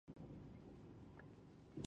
ایا تعلیم یوازې د نارینه وو حق دی؟